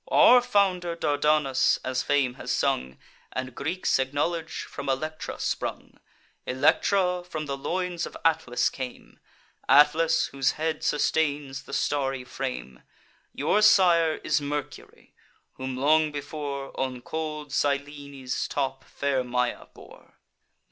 Our founder Dardanus, as fame has sung, And Greeks acknowledge, from Electra sprung: Electra from the loins of Atlas came; Atlas, whose head sustains the starry frame. Your sire is Mercury, whom long before On cold Cyllene's top fair Maia bore.